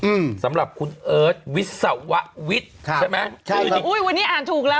อืมสำหรับคุณเอิร์ทวิศววิทย์ค่ะใช่ไหมใช่อุ้ยวันนี้อ่านถูกแล้ว